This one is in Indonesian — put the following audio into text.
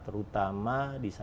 terutama di sasaran